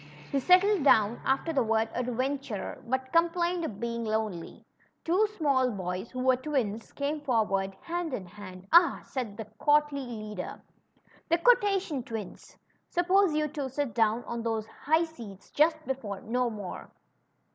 He settled down after the Avord adventurer^ but complained of being lonely. Two small boys, who Avere twins, came forward hand in hand. ^^Ah!" said the courtly leader; Quotation tAAuns! Suppose you two sit down on those high seats just before 710 'more.